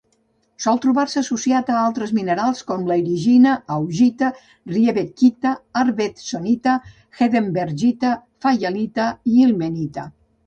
Sol trobar-se associat a altres minerals com: egirina, augita, riebeckita, arfvedsonita, hedenbergita, faialita i ilmenita.